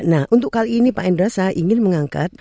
nah untuk kali ini pak endra saya ingin mengangkat